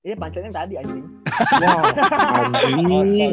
ya pancernya tadi anjing